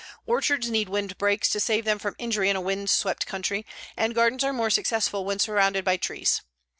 Orchards need windbreaks to save them from injury in a wind swept country, and gardens are more successful when surrounded by trees.